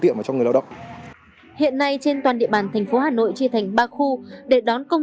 viện cho người lao động hiện nay trên toàn địa bàn thành phố hà nội chia thành ba khu để đón công